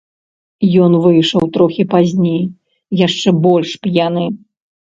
Ён выйшаў трохі пазней, яшчэ больш п'яны.